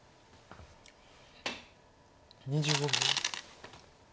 ２５秒。